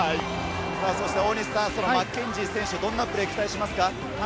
大西さん、マッケンジー選手、どんなプレーを期待しますか？